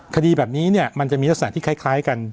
คดีแบบนี้เนี่ยมันจะมีลักษณะที่คล้ายกัน